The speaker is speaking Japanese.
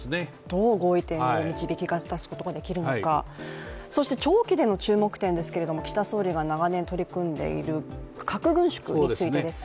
どう合意点を導き出すことができるのか、そして長期での注目点ですけれども岸田総理が長年取り組んでいる核軍縮についてですね。